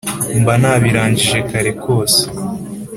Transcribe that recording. Mba nabirangije kare kose!